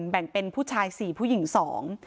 แบ่งเป็นผู้ชาย๔ผู้หญิง๒